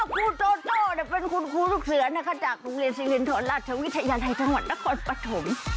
คุณโจโจเป็นคุณคุณลูกเสือนะคะจากโรงเรียนศิริริยณธรรมราชวิทยาลัยทะวันนครปฐม